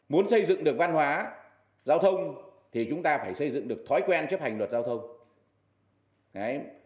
muốn xây dựng được văn hóa giao thông thì chúng ta phải xây dựng được thói quen chấp hành luật giao thông